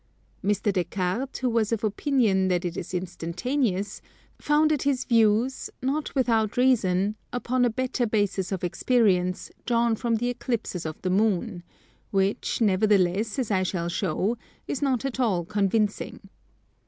Mr. Des Cartes, who was of opinion that it is instantaneous, founded his views, not without reason, upon a better basis of experience, drawn from the Eclipses of the Moon; which, nevertheless, as I shall show, is not at all convincing.